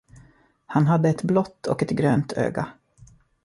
Han hade ett blått och ett grönt öga.